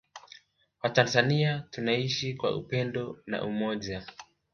Watanzania tunaishi kwa upendo na umoja